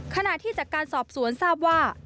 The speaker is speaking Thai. ขณะที่จากการสอบสวนทราบว่า